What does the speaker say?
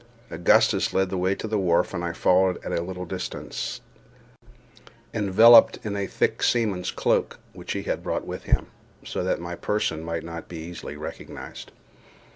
Augustus led the way to the wharf, and I followed at a little distance, enveloped in a thick seaman's cloak, which he had brought with him, so that my person might not be easily recognized.